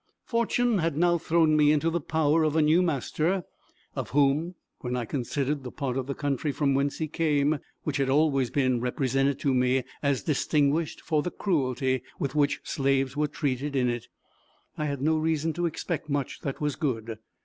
Fortune had now thrown me into the power of a new master, of whom, when I considered the part of the country from whence he came, which had always been represented to me as distinguished for the cruelty with which slaves were treated in it, I had no reason to expect much that was good.